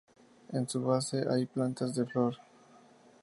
En su base hay plantas de flor.